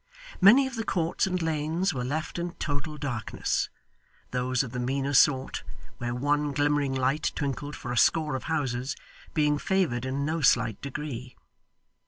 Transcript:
Many of the courts and lanes were left in total darkness; those of the meaner sort, where one glimmering light twinkled for a score of houses, being favoured in no slight degree.